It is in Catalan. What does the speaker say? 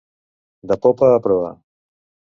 De popa a proa.